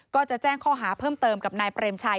ก็จะแจ้งข้อหาเพิ่มเติมกับนายเปรมชัย